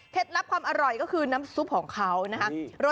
ลับความอร่อยก็คือน้ำซุปของเขานะคะ